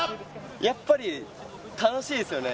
やっぱり楽しいですよね